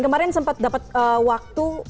kemarin sempat dapat waktu